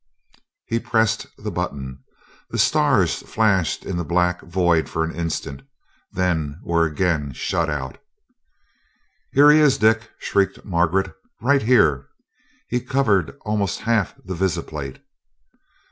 He pressed the button. The stars flashed in the black void for an instant, then were again shut out. "Here he is, Dick!" shrieked Margaret. "Right here he covered almost half the visiplate!"